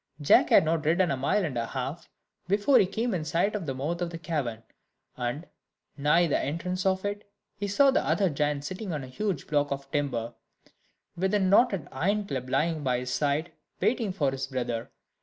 Jack had not ridden a mile and a half before he came in sight of the mouth of the cavern; and, nigh the entrance of it, he saw the other giant sitting on a huge block of timber, with a knotted iron club lying by his side, waiting for his brother.